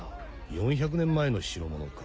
４００年前の代物か。